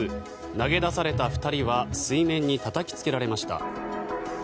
投げ出された２人は水面にたたきつけられました。